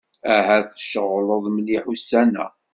Ahat tceɣleḍ mliḥ ussan-a.